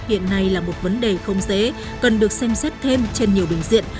hiện nay là một vấn đề không dễ cần được xem xét thêm trên nhiều bình diện